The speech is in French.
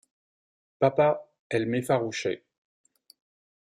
Papa, elle m’effarouchait.